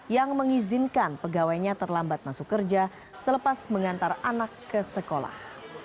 yang mengizinkan pegawainya terlambat masuk kerja selepas mengantar anak ke sekolah